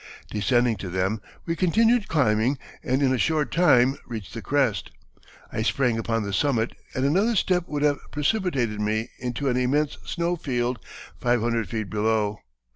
Descending to them, we continued climbing and in a short time reached the crest. I sprang upon the summit and another step would have precipitated me into an immense snow field five hundred feet below.